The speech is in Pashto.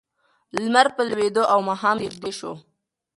لمر په لوېدو و او ماښام نږدې شو.